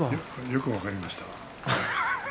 よく分かりました。